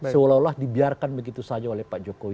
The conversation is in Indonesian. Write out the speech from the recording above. seolah olah dibiarkan begitu saja oleh pak jokowi